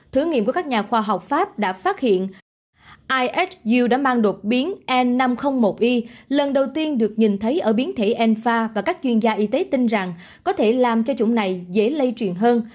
thử nghiệm của các nhà khoa học pháp đã phát hiện isu đã mang đột biến n năm trăm linh một i lần đầu tiên được nhìn thấy ở biến thể enfa và các chuyên gia y tế tin rằng có thể làm cho chủng này dễ lây truyền hơn